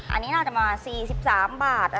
อันนี้น่าจะมา๔๓บาท